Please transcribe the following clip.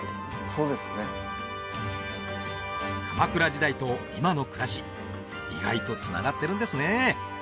そうですね鎌倉時代と今の暮らし意外とつながってるんですね